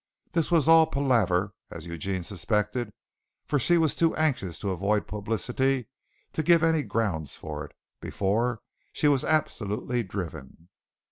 This was all palaver, as Eugene suspected, for she was too anxious to avoid publicity to give any grounds for it, before she was absolutely driven.